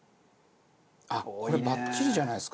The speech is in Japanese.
あっこれバッチリじゃないですか？